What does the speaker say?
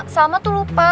sama tuh lupa